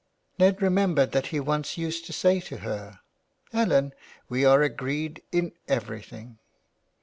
'' Ned remembered that he once used to say to her, " Ellen, we are agreed in everything."